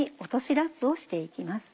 ラップをして行きます。